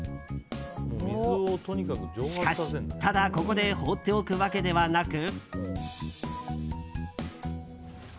しかし、ただここで放っておくわけではなく。